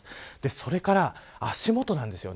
それから足元なんですよね。